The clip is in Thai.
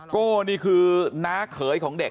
โก้นี่คือน้าเขยของเด็ก